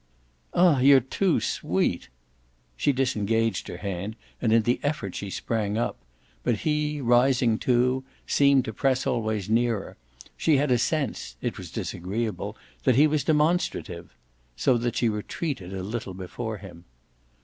"Ah you're too sweet!" She disengaged her hand and in the effort she sprang up; but he, rising too, seemed to press always nearer she had a sense (it was disagreeable) that he was demonstrative so that she retreated a little before him.